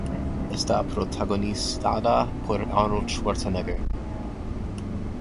Está protagonizada por Arnold Schwarzenegger.